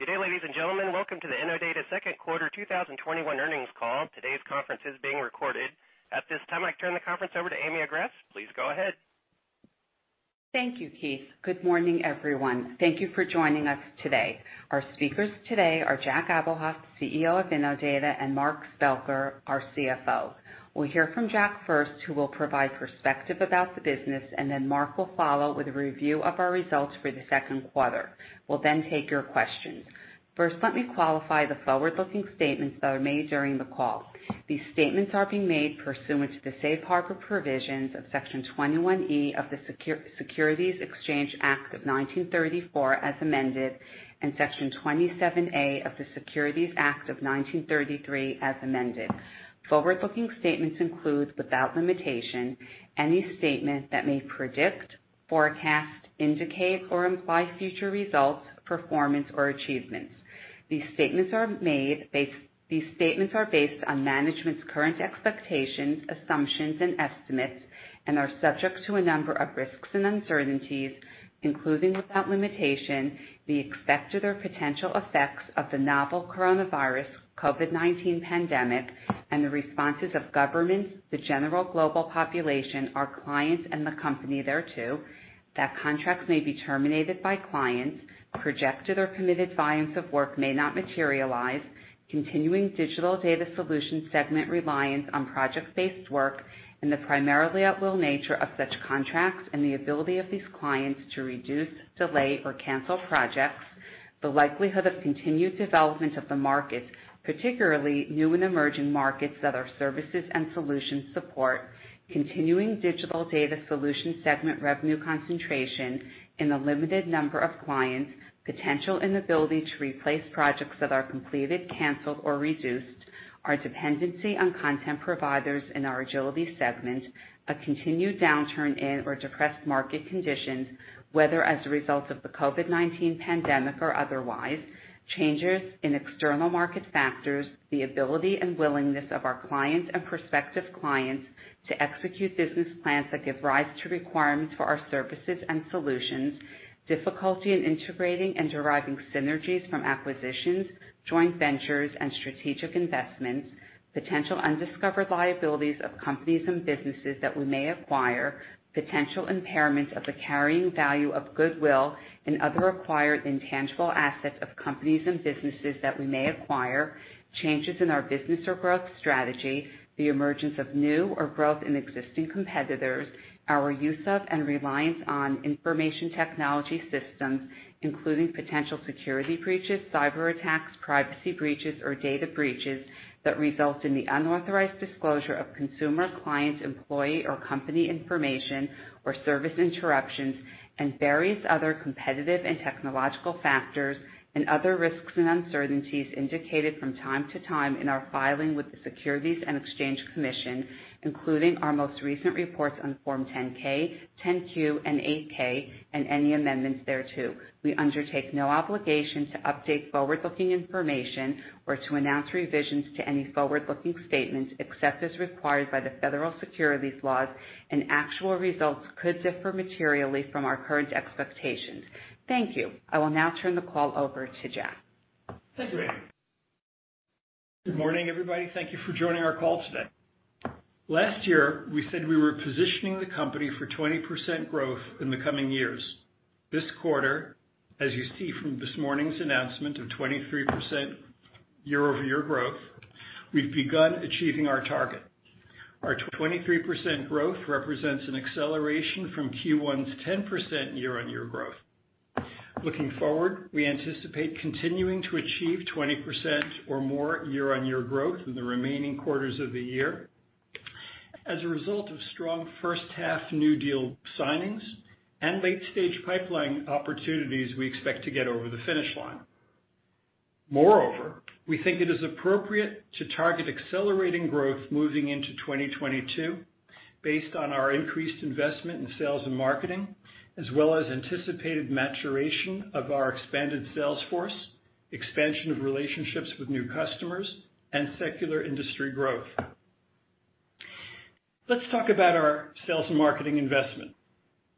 Good day, ladies and gentlemen. Welcome to the Innodata second quarter 2021 earnings call. Today's conference is being recorded. At this time, I turn the conference over to Amy Agress. Please go ahead. Thank you, Keith. Good morning, everyone. Thank you for joining us today. Our speakers today are Jack Abuhoff, CEO of Innodata, and Mark Spelker, our CFO. We'll hear from Jack first, who will provide perspective about the business, and then Mark will follow with a review of our results for the second quarter. We'll then take your questions. First, let me qualify the forward-looking statements that are made during the call. These statements are being made pursuant to the Safe Harbor provisions of Section 21E of the Securities Exchange Act of 1934, as amended, and Section 27A of the Securities Act of 1933, as amended. Forward-looking statements include, without limitation, any statement that may predict, forecast, indicate, or imply future results, performance, or achievements. These statements are based on management's current expectations, assumptions, and estimates and are subject to a number of risks and uncertainties, including, without limitation, the expected or potential effects of the novel coronavirus, COVID-19 pandemic, and the responses of governments, the general global population, our clients, and the company thereto. That contracts may be terminated by clients. Projected or committed volumes of work may not materialize. Continuing Digital Data Solutions segment reliance on project-based work, and the primarily at-will nature of such contracts and the ability of these clients to reduce, delay, or cancel projects. The likelihood of continued development of the markets, particularly new and emerging markets that our services and solutions support. Continuing Digital Data Solutions segment revenue concentration in the limited number of clients. Potential inability to replace projects that are completed, canceled, or reduced. Our dependency on content providers in our Agility segment. A continued downturn in or depressed market conditions, whether as a result of the COVID-19 pandemic or otherwise. Changes in external market factors. The ability and willingness of our clients and prospective clients to execute business plans that give rise to requirements for our services and solutions. Difficulty in integrating and deriving synergies from acquisitions, joint ventures, and strategic investments. Potential undiscovered liabilities of companies and businesses that we may acquire. Potential impairment of the carrying value of goodwill and other acquired intangible assets of companies and businesses that we may acquire. Changes in our business or growth strategy. The emergence of new or growth in existing competitors. Our use of and reliance on information technology systems, including potential security breaches, cyber attacks, privacy breaches, or data breaches that result in the unauthorized disclosure of consumer, client, employee, or company information, or service interruptions. Various other competitive and technological factors and other risks and uncertainties indicated from time to time in our filing with the Securities and Exchange Commission, including our most recent reports on Form 10-K, 10-Q, and 8-K, and any amendments thereto. We undertake no obligation to update forward-looking information or to announce revisions to any forward-looking statements, except as required by the federal securities laws, and actual results could differ materially from our current expectations. Thank you. I will now turn the call over to Jack. Thank you, Amy. Good morning, everybody. Thank you for joining our call today. Last year, we said we were positioning the company for 20% growth in the coming years. This quarter, as you see from this morning's announcement of 23% year-over-year growth, we've begun achieving our target. Our 23% growth represents an acceleration from Q1's 10% year-on-year growth. Looking forward, we anticipate continuing to achieve 20% or more year-on-year growth in the remaining quarters of the year as a result of strong first half new deal signings and late-stage pipeline opportunities we expect to get over the finish line. Moreover, we think it is appropriate to target accelerating growth moving into 2022 based on our increased investment in sales and marketing, as well as anticipated maturation of our expanded sales force, expansion of relationships with new customers, and secular industry growth. Let's talk about our sales and marketing investment.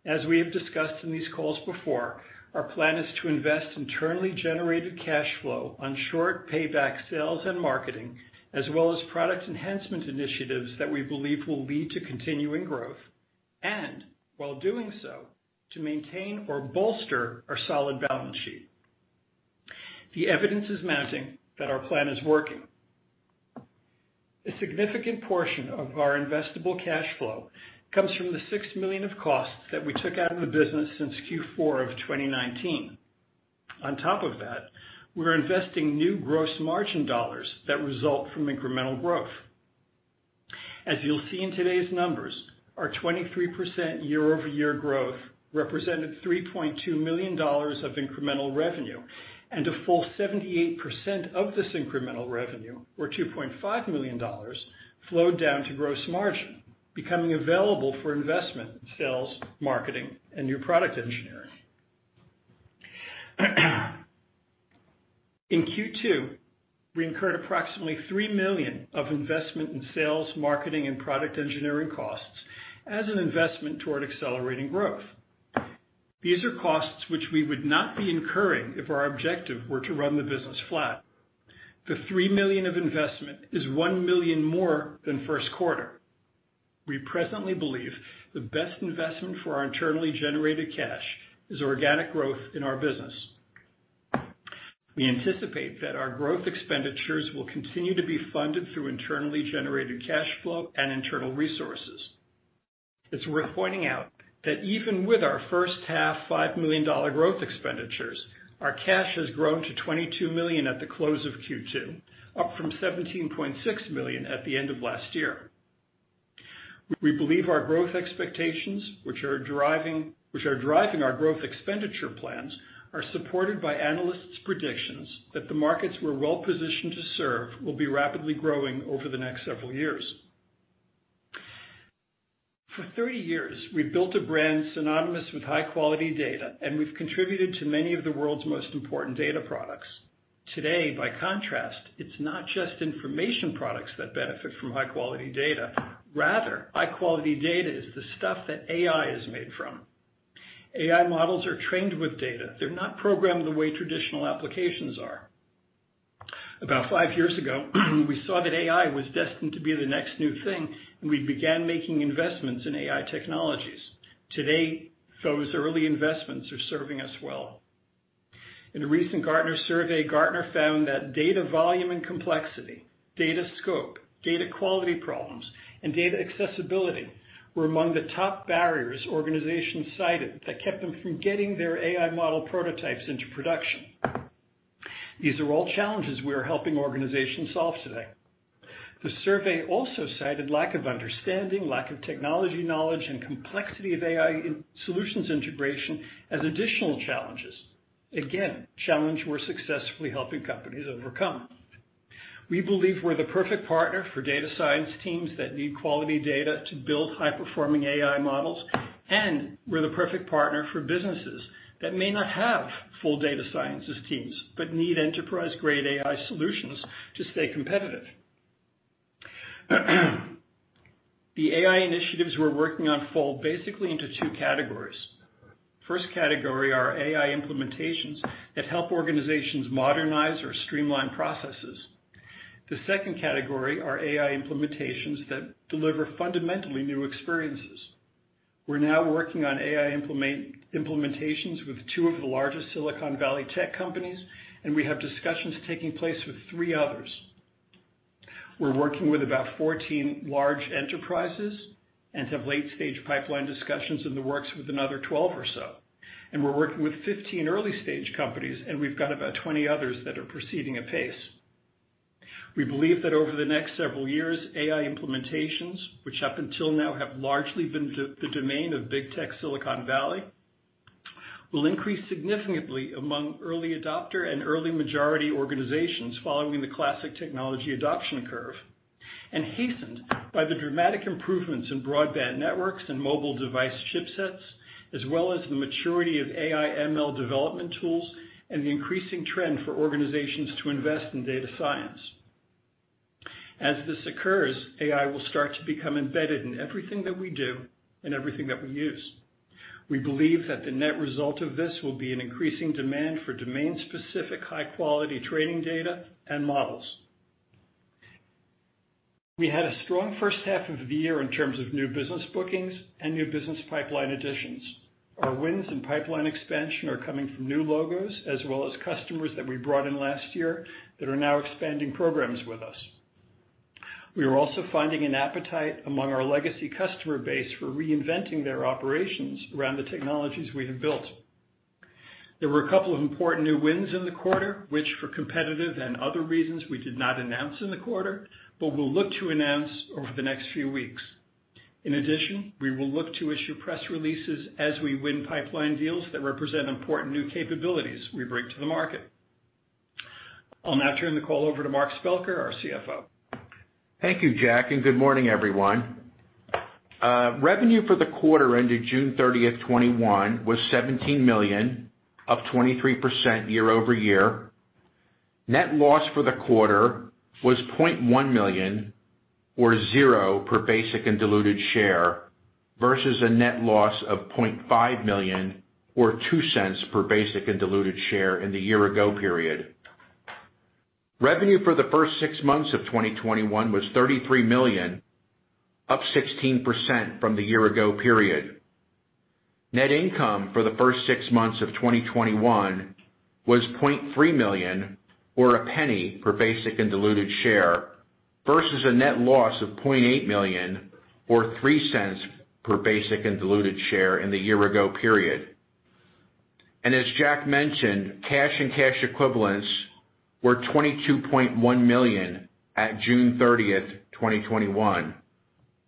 As we have discussed in these calls before, our plan is to invest internally generated cash flow on short payback sales and marketing, as well as product enhancement initiatives that we believe will lead to continuing growth, and while doing so, to maintain or bolster our solid balance sheet. The evidence is mounting that our plan is working. A significant portion of our investable cash flow comes from the $6 million of costs that we took out of the business since Q4 of 2019. On top of that, we're investing new gross margin dollars that result from incremental growth. As you'll see in today's numbers, our 23% year-over-year growth represented $3.2 million of incremental revenue, and a full 78% of this incremental revenue, or $2.5 million, flowed down to gross margin, becoming available for investment in sales, marketing, and new product engineering. In Q2, we incurred approximately $3 million of investment in sales, marketing, and product engineering costs as an investment toward accelerating growth. These are costs which we would not be incurring if our objective were to run the business flat. The $3 million of investment is $1 million more than first quarter. We presently believe the best investment for our internally generated cash is organic growth in our business. We anticipate that our growth expenditures will continue to be funded through internally generated cash flow and internal resources. It's worth pointing out that even with our first half $5 million growth expenditures, our cash has grown to $22 million at the close of Q2, up from $17.6 million at the end of last year. We believe our growth expectations, which are driving our growth expenditure plans, are supported by analysts' predictions that the markets we're well-positioned to serve will be rapidly growing over the next several years. For 30 years, we've built a brand synonymous with high-quality data, and we've contributed to many of the world's most important data products. Today, by contrast, it's not just information products that benefit from high-quality data. Rather, high-quality data is the stuff that AI is made from. AI models are trained with data. They're not programmed the way traditional applications are. About five years ago, we saw that AI was destined to be the next new thing, and we began making investments in AI technologies. Today, those early investments are serving us well. In a recent Gartner survey, Gartner found that data volume and complexity, data scope, data quality problems, and data accessibility were among the top barriers organizations cited that kept them from getting their AI model prototypes into production. These are all challenges we are helping organizations solve today. The survey also cited lack of understanding, lack of technology knowledge, and complexity of AI solutions integration as additional challenges. Again, challenges we're successfully helping companies overcome. We believe we're the perfect partner for data science teams that need quality data to build high-performing AI models. We're the perfect partner for businesses that may not have full data sciences teams but need enterprise-grade AI solutions to stay competitive. The AI initiatives we're working on fall basically into two categories. First category are AI implementations that help organizations modernize or streamline processes. The second category are AI implementations that deliver fundamentally new experiences. We're now working on AI implementations with two of the largest Silicon Valley tech companies. We have discussions taking place with three others. We're working with about 14 large enterprises and have late-stage pipeline discussions in the works with another 12 or so. We're working with 15 early-stage companies, and we've got about 20 others that are proceeding at pace. We believe that over the next several years, AI implementations, which up until now have largely been the domain of big tech Silicon Valley, will increase significantly among early adopter and early majority organizations following the classic technology adoption curve. Hastened by the dramatic improvements in broadband networks and mobile device chipsets, as well as the maturity of AI/ML development tools and the increasing trend for organizations to invest in data science. As this occurs, AI will start to become embedded in everything that we do and everything that we use. We believe that the net result of this will be an increasing demand for domain-specific, high-quality training data and models. We had a strong first half of the year in terms of new business bookings and new business pipeline additions. Our wins and pipeline expansion are coming from new logos as well as customers that we brought in last year that are now expanding programs with us. We are also finding an appetite among our legacy customer base for reinventing their operations around the technologies we have built. There were a couple of important new wins in the quarter, which for competitive and other reasons, we did not announce in the quarter but will look to announce over the next few weeks. We will look to issue press releases as we win pipeline deals that represent important new capabilities we bring to the market. I'll now turn the call over to Mark Spelker, our CFO. Thank you, Jack. Good morning, everyone. Revenue for the quarter ended June 30th, 2021, was $17 million, up 23% year-over-year. Net loss for the quarter was $0.1 million or $0 per basic and diluted share, versus a net loss of $0.5 million or $0.02 per basic and diluted share in the year-ago period. Revenue for the first six months of 2021 was $33 million, up 16% from the year-ago period. Net income for the first six months of 2021 was $0.3 million or $0.01 per basic and diluted share, versus a net loss of $0.8 million or $0.03 per basic and diluted share in the year-ago period. As Jack mentioned, cash and cash equivalents were $22.1 million at June 30th, 2021,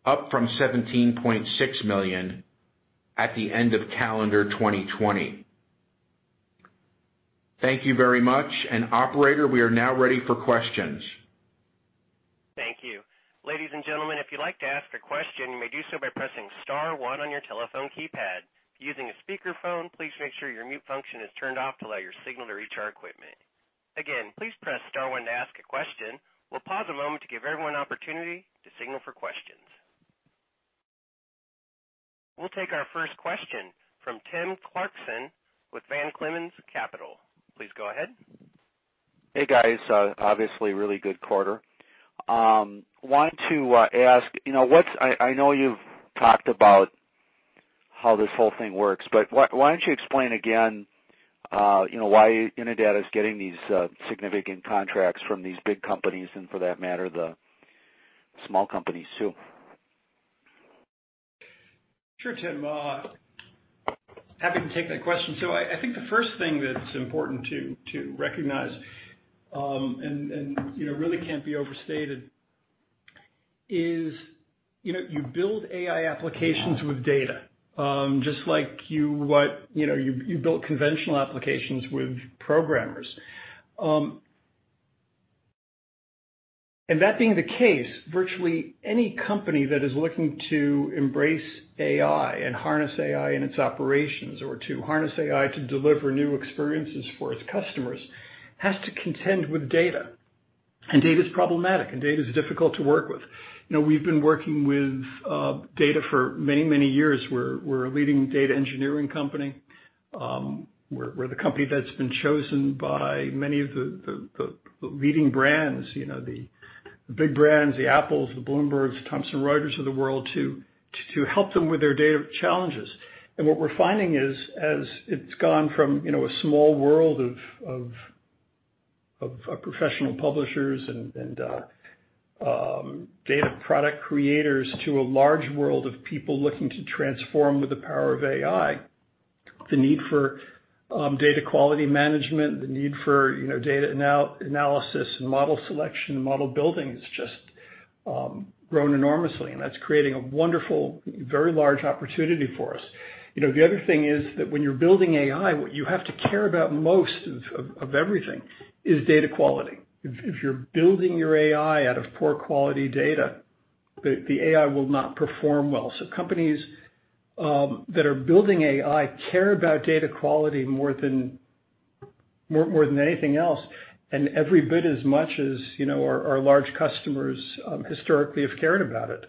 up from $17.6 million at the end of calendar 2020. Thank you very much. Operator, we are now ready for questions. Thank you. Ladies and gentlemen, if you'd like to ask a question, you may do so by pressing star one on your telephone keypad. If you're using a speakerphone, please make sure your mute function is turned off to allow your signal to reach our equipment. Again, please press star one to ask a question. We'll pause a moment to give everyone an opportunity to signal for questions. We'll take our first question from Tim Clarkson with Van Clemens Capital. Please go ahead. Hey, guys. Obviously, really good quarter. Wanted to ask, I know you've talked about how this whole thing works, but why don't you explain again why Innodata is getting these significant contracts from these big companies, and for that matter, the small companies, too? Sure, Tim. Happy to take that question. I think the first thing that's important to recognize, and really can't be overstated is, you build AI applications with data, just like you build conventional applications with programmers. That being the case, virtually any company that is looking to embrace AI and harness AI in its operations, or to harness AI to deliver new experiences for its customers, has to contend with data. Data's problematic, and data's difficult to work with. We've been working with data for many, many years. We're a leading data engineering company. We're the company that's been chosen by many of the leading brands, the big brands, the Apples, the Bloombergs, the Thomson Reuters of the world to help them with their data challenges. What we're finding is, as it's gone from a small world of professional publishers and data product creators to a large world of people looking to transform with the power of AI, the need for data quality management, the need for data analysis and model selection and model building has just grown enormously, and that's creating a wonderful, very large opportunity for us. The other thing is that when you're building AI, what you have to care about most of everything is data quality. If you're building your AI out of poor quality data, the AI will not perform well. Companies that are building AI care about data quality more than anything else, and every bit as much as our large customers historically have cared about it.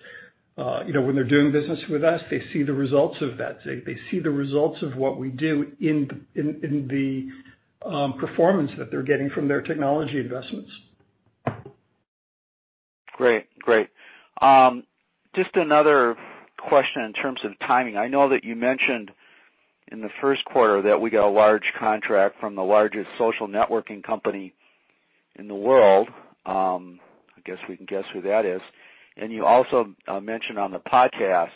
When they're doing business with us, they see the results of that. They see the results of what we do in the performance that they're getting from their technology investments. Great. Just another question in terms of timing. I know that you mentioned in the first quarter that we got a large contract from the largest social networking company in the world. I guess we can guess who that is. You also mentioned on the podcast,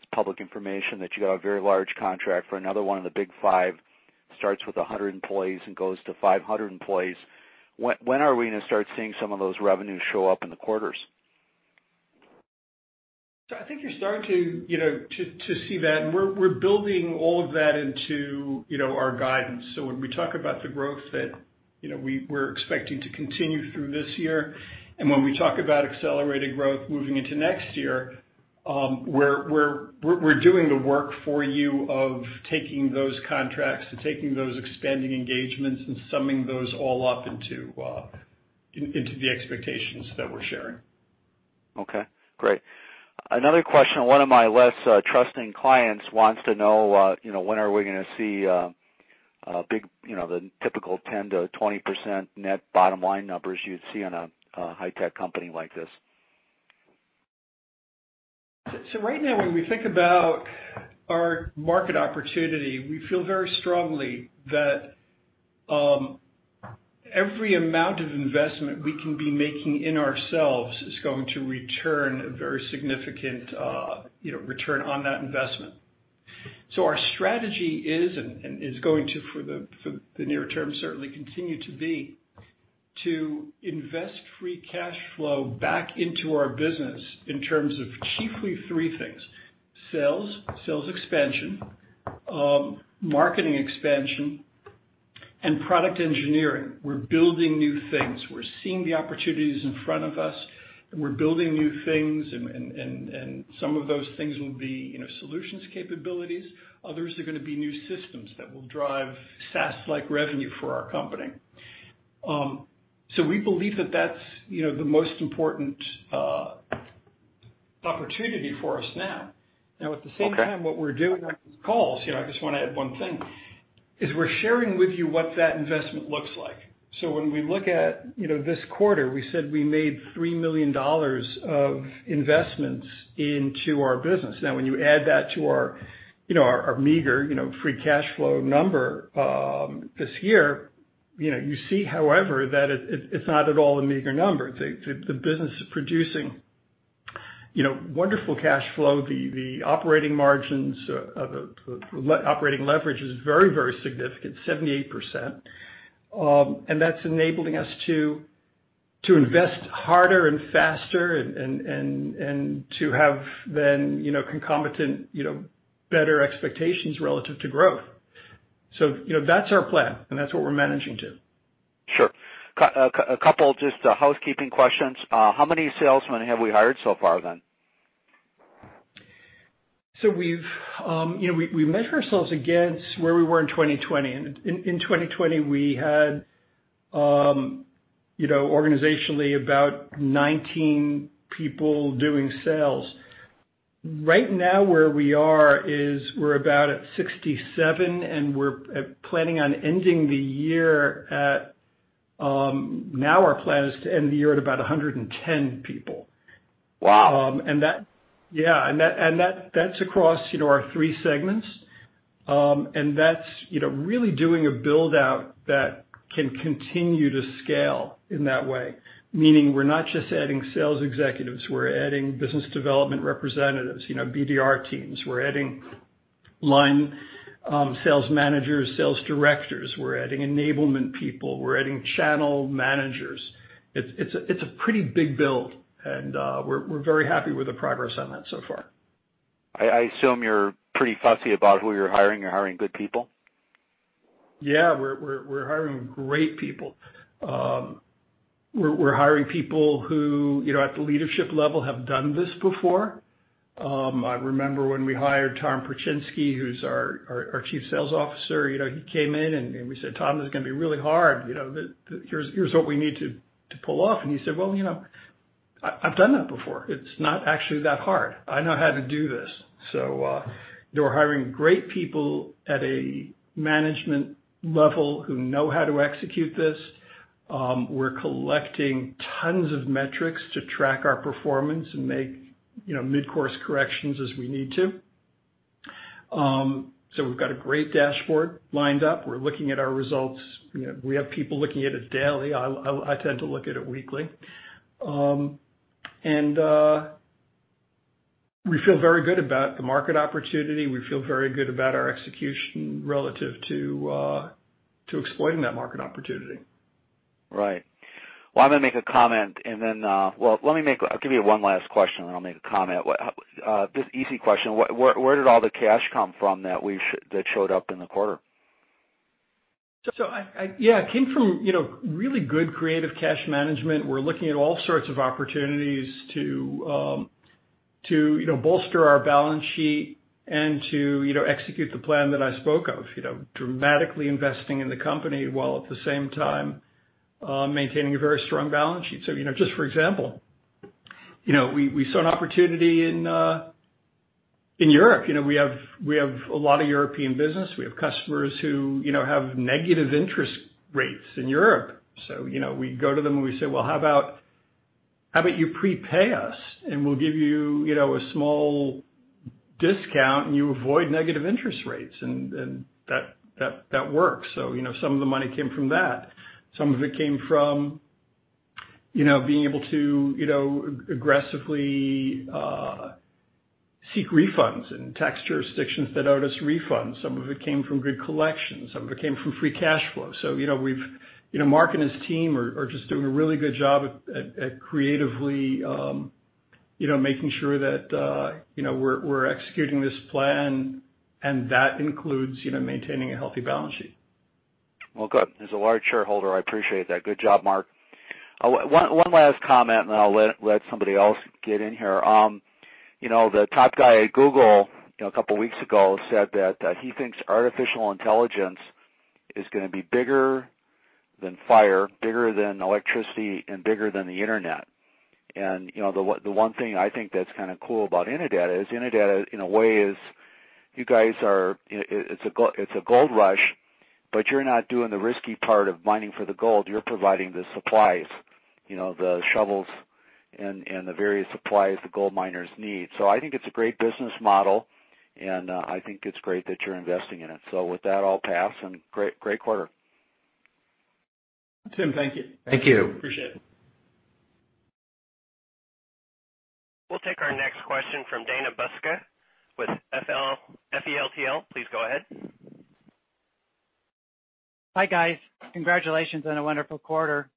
it's public information, that you got a very large contract for another one of the Big Five, starts with 100 employees and goes to 500 employees. When are we going to start seeing some of those revenues show up in the quarters? I think you're starting to see that, and we're building all of that into our guidance. When we talk about the growth that we're expecting to continue through this year, and when we talk about accelerated growth moving into next year, we're doing the work for you of taking those contracts, to taking those expanding engagements, and summing those all up into the expectations that we're sharing. Okay, great. Another question. One of my less trusting clients wants to know when are we gonna see the typical 10%-20% net bottom line numbers you'd see on a high-tech company like this? Right now, when we think about our market opportunity, we feel very strongly that every amount of investment we can be making in ourselves is going to return a very significant return on that investment. Our strategy is, and is going to, for the near term, certainly continue to be, to invest free cash flow back into our business in terms of chiefly three things: sales expansion, marketing expansion, and product engineering. We're building new things. We're seeing the opportunities in front of us, and we're building new things, and some of those things will be solutions capabilities. Others are gonna be new systems that will drive SaaS-like revenue for our company. We believe that that's the most important opportunity for us now. At the same time, what we're doing on these calls, I just want to add one thing, is we're sharing with you what that investment looks like. When we look at this quarter, we said we made $3 million of investments into our business. When you add that to our meager free cash flow number this year, you see, however, that it's not at all a meager number. The business is producing wonderful cash flow. The operating leverage is very, very significant, 78%, and that's enabling us to invest harder and faster and to have then concomitant better expectations relative to growth. That's our plan, and that's what we're managing to. Sure. A couple just housekeeping questions. How many salesmen have we hired so far, then? We measure ourselves against where we were in 2020. In 2020, we had, organizationally, about 19 people doing sales. Right now, where we are is we're about at 67, and our plan is to end the year at about 110 people. Wow. Yeah. That's across our three segments. That's really doing a build-out that can continue to scale in that way, meaning we're not just adding sales executives, we're adding business development representatives, BDR teams. We're adding line sales managers, sales directors. We're adding enablement people. We're adding channel managers. It's a pretty big build, and we're very happy with the progress on that so far. I assume you're pretty fussy about who you're hiring. You're hiring good people? Yeah. We're hiring great people. We're hiring people who, at the leadership level, have done this before. I remember when we hired Tom Perchinsky, who's our Chief Sales Officer. He came in, and we said, Tom, this is going to be really hard. Here's what we need to pull off. He said, well, I've done that before. It's not actually that hard. I know how to do this. We're hiring great people at a management level who know how to execute this. We're collecting tons of metrics to track our performance and make mid-course corrections as we need to. We've got a great dashboard lined up. We're looking at our results. We have people looking at it daily. I tend to look at it weekly. We feel very good about the market opportunity. We feel very good about our execution relative to exploiting that market opportunity. Right. Well, I'm going to make a comment and then, Well, I'll give you one last question, and then I'll make a comment. Just easy question. Where did all the cash come from that showed up in the quarter? It came from really good creative cash management. We're looking at all sorts of opportunities to bolster our balance sheet and to execute the plan that I spoke of, dramatically investing in the company while at the same time, maintaining a very strong balance sheet. Just for example, we saw an opportunity in Europe. We have a lot of European business. We have customers who have negative interest rates in Europe. We go to them, and we say, well, how about you prepay us, and we'll give you a small discount, and you avoid negative interest rates? That works. Some of the money came from that. Some of it came from being able to aggressively seek refunds in tax jurisdictions that owe us refunds. Some of it came from good collections. Some of it came from free cash flow. Mark and his team are just doing a really good job at creatively making sure that we're executing this plan, and that includes maintaining a healthy balance sheet. Well, good. As a large shareholder, I appreciate that. Good job, Mark. One last comment, and then I'll let somebody else get in here. The top guy at Google, a couple of weeks ago, said that he thinks artificial intelligence is going to be bigger than fire, bigger than electricity, and bigger than the internet. The one thing I think that's kind of cool about Innodata is Innodata, in a way is, It's a gold rush, but you're not doing the risky part of mining for the gold. You're providing the supplies, the shovels and the various supplies the gold miners need. I think it's a great business model, and I think it's great that you're investing in it. With that, I'll pass. Great quarter. Tim, thank you. Thank you. Appreciate it. We'll take our next question from Dana Buska with Feltl. Please go ahead. Hi, guys. Congratulations on a wonderful quarter.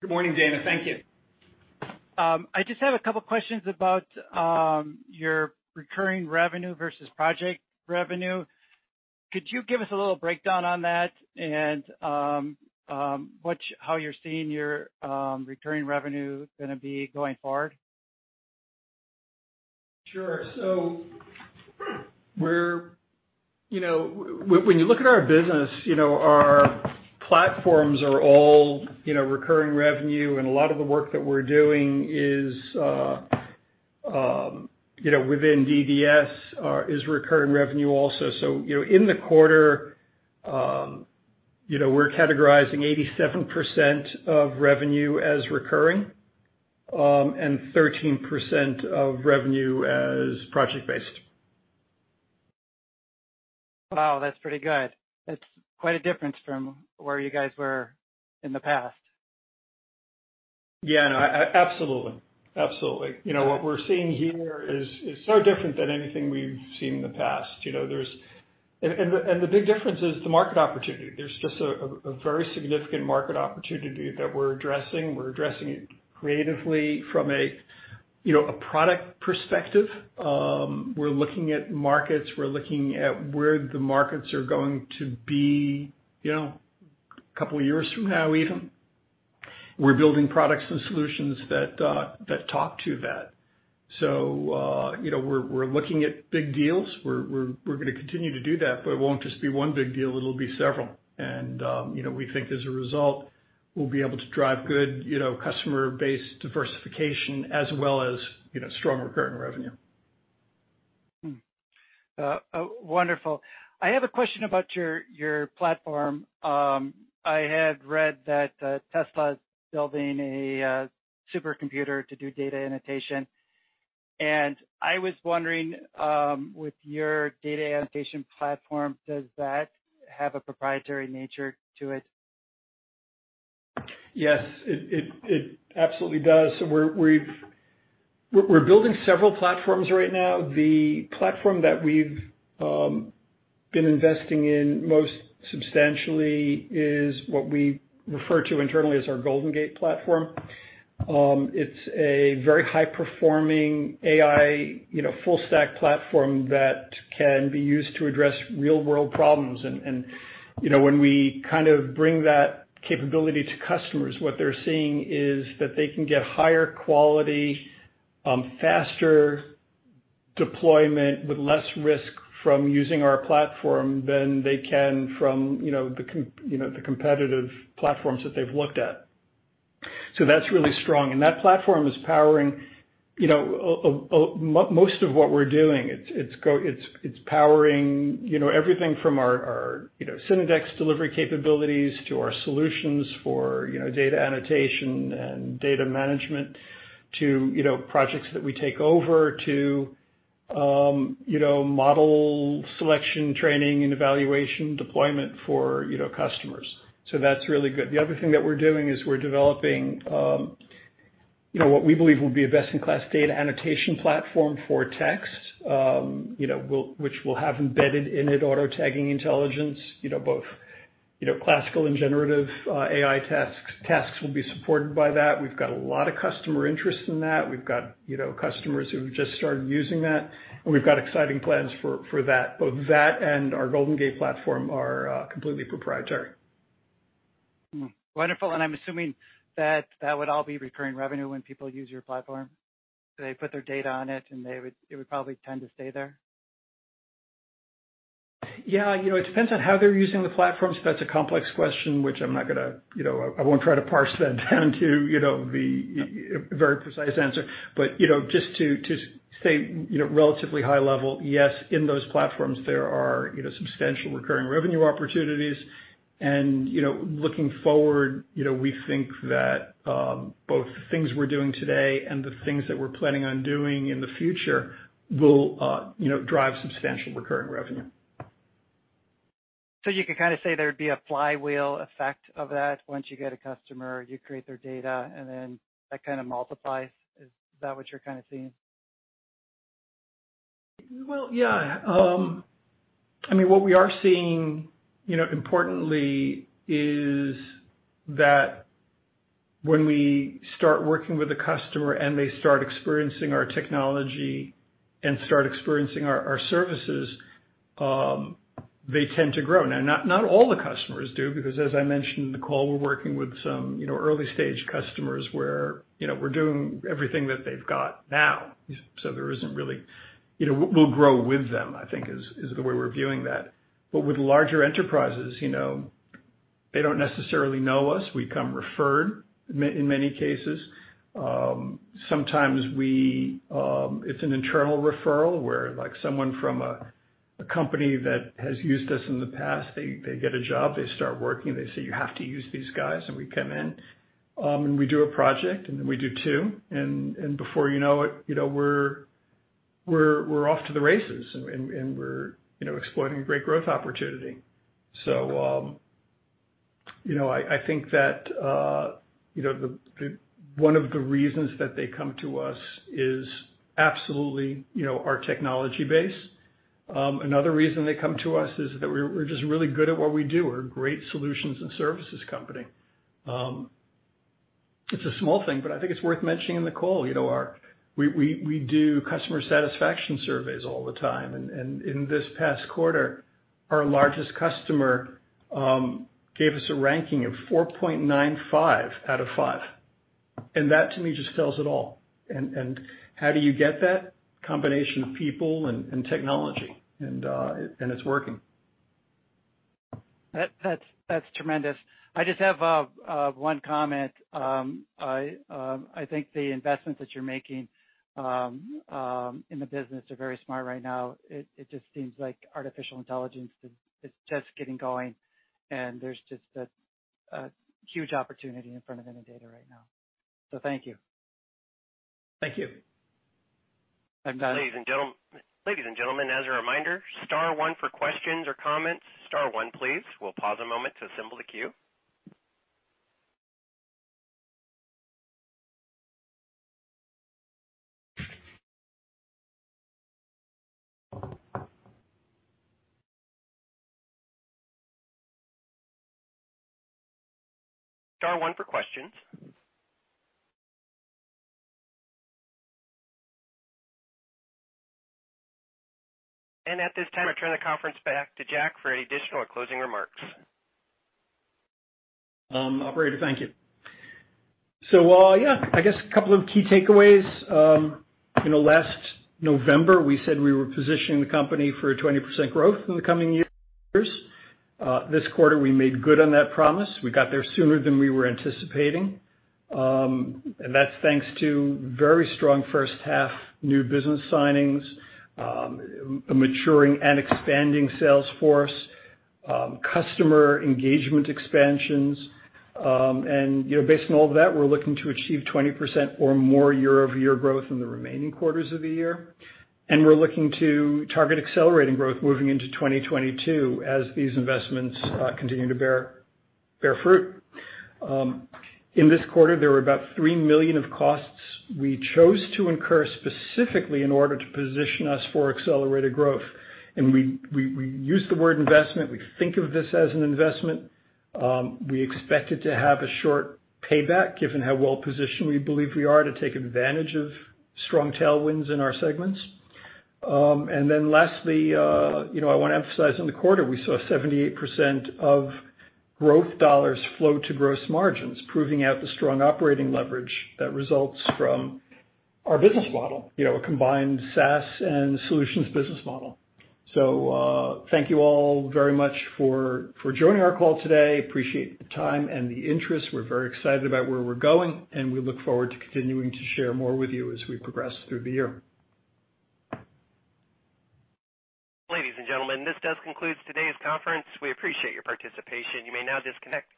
Good morning, Dana. Thank you. I just have a couple questions about your recurring revenue versus project revenue. Could you give us a little breakdown on that and how you're seeing your recurring revenue going to be going forward? Sure. When you look at our business, our platforms are all recurring revenue, and a lot of the work that we're doing within DDS is recurring revenue also. In the quarter, we're categorizing 87% of revenue as recurring, and 13% of revenue as project-based. Wow, that's pretty good. That's quite a difference from where you guys were in the past. Yeah. No, absolutely. What we're seeing here is so different than anything we've seen in the past. The big difference is the market opportunity. There's just a very significant market opportunity that we're addressing. We're addressing it creatively from a product perspective, we're looking at markets. We're looking at where the markets are going to be a couple of years from now, even. We're building products and solutions that talk to that. We're looking at big deals. We're going to continue to do that, but it won't just be one big deal, it'll be several. We think as a result, we'll be able to drive good customer base diversification as well as strong recurring revenue. Wonderful. I have a question about your platform. I had read that Tesla is building a supercomputer to do data annotation, and I was wondering, with your data annotation platform, does that have a proprietary nature to it? Yes, it absolutely does. We're building several platforms right now. The platform that we've been investing in most substantially is what we refer to internally as our Golden Gate platform. It's a very high-performing AI full stack platform that can be used to address real-world problems. When we bring that capability to customers, what they're seeing is that they can get higher quality, faster deployment with less risk from using our platform than they can from the competitive platforms that they've looked at. That's really strong, and that platform is powering most of what we're doing. It's powering everything from our Synodex delivery capabilities to our solutions for data annotation and data management to projects that we take over to model selection, training, and evaluation deployment for customers. That's really good. The other thing that we're doing is we're developing what we believe will be a best-in-class data annotation platform for text which will have embedded in it auto-tagging intelligence, both classical and generative AI tasks will be supported by that. We've got a lot of customer interest in that. We've got customers who've just started using that, and we've got exciting plans for that. Both that and our Golden Gate platform are completely proprietary. Wonderful. I'm assuming that that would all be recurring revenue when people use your platform. They put their data on it, and it would probably tend to stay there? Yeah. It depends on how they're using the platform, that's a complex question, which I won't try to parse that down to the very precise answer. Just to stay relatively high level, yes, in those platforms, there are substantial recurring revenue opportunities. Looking forward, we think that both the things we're doing today and the things that we're planning on doing in the future will drive substantial recurring revenue. You could kind of say there'd be a flywheel effect of that. Once you get a customer, you create their data, and then that kind of multiplies. Is that what you're kind of seeing? Well, yeah. What we are seeing importantly is that when we start working with a customer and they start experiencing our technology and start experiencing our services, they tend to grow. Now, not all the customers do, because as I mentioned in the call, we're working with some early-stage customers where we're doing everything that they've got now. We'll grow with them, I think is the way we're viewing that. With larger enterprises, they don't necessarily know us. We come referred in many cases. Sometimes it's an internal referral where someone from a company that has used us in the past, they get a job, they start working, they say, you have to use these guys. We come in, and we do a project, and then we do two. Before you know it, we're off to the races, and we're exploring a great growth opportunity. I think that one of the reasons that they come to us is absolutely our technology base. Another reason they come to us is that we're just really good at what we do. We're a great solutions and services company. It's a small thing, but I think it's worth mentioning in the call. We do customer satisfaction surveys all the time, and in this past quarter, our largest customer gave us a ranking of 4.95 out of 5. That to me, just tells it all. How do you get that? Combination of people and technology, it's working. That's tremendous. I just have one comment. I think the investments that you're making in the business are very smart right now. It just seems like artificial intelligence is just getting going, and there's just a huge opportunity in front of Innodata right now. Thank you. Thank you. I'm done. Ladies and gentlemen, as a reminder, star one for questions or comments. Star one, please. We'll pause a moment to assemble the queue. Star one for questions. At this time, I turn the conference back to Jack for any additional or closing remarks. Operator, thank you. Yeah, I guess a couple of key takeaways. Last November, we said we were positioning the company for a 20% growth in the coming years. This quarter, we made good on that promise. We got there sooner than we were anticipating. That's thanks to very strong first half new business signings, a maturing and expanding sales force, customer engagement expansions. Based on all of that, we're looking to achieve 20% or more year-over-year growth in the remaining quarters of the year. We're looking to target accelerating growth moving into 2022 as these investments continue to bear fruit. In this quarter, there were about $3 million of costs we chose to incur specifically in order to position us for accelerated growth. We use the word investment. We think of this as an investment. We expect it to have a short payback given how well-positioned we believe we are to take advantage of strong tailwinds in our segments. Lastly, I want to emphasize in the quarter, we saw 78% of growth dollars flow to gross margins, proving out the strong operating leverage that results from our business model, a combined SaaS and solutions business model. Thank you all very much for joining our call today. Appreciate the time and the interest. We're very excited about where we're going, and we look forward to continuing to share more with you as we progress through the year. Ladies and gentlemen, this does conclude today's conference. We appreciate your participation. You may now disconnect.